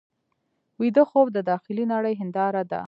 ویده خوب د داخلي نړۍ هنداره ده